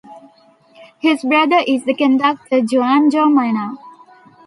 His brother is the conductor Juanjo Mena.